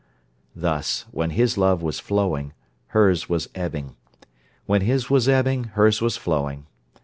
Thus, when his love was flowing, hers was ebbing: when his was ebbing, hers was flowing.